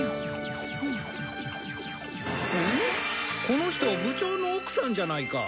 この人部長の奥さんじゃないか。